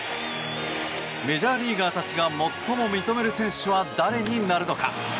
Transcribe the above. メジャーリーガーたちが最も認める選手は誰になるのか。